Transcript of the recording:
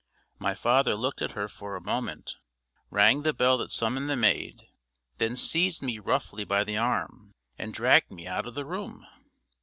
My father looked at her for a moment, rang the bell that summoned the maid, then seized me roughly by the arm and dragged me out of the room.